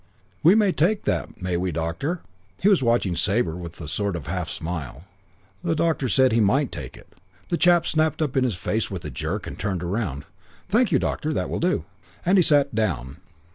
'We may take that, may we, Doctor?' He was watching Sabre with a sort of half smile. The doctor said he might take it. The chap snapped up his face with a jerk and turned round. 'Thank you, Doctor. That will do.' And he sat down.